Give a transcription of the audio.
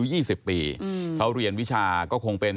นี่อายุ๒๐ปีเขาเรียนวิชาก็คงเป็นช่างก่อสร้าง